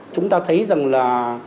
chúng ta thấy rằng là